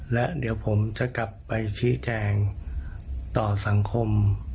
และเดี๋ยวผมจะกลับไปชี้แจงต่อสังคม